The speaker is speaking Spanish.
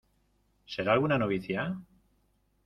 ¿ será alguna novicia?